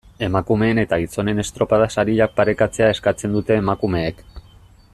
Emakumeen eta gizonen estropada-sariak parekatzea eskatzen dute emakumeek.